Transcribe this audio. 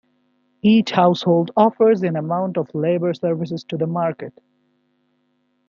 Each household offers an amount of labour services to the market.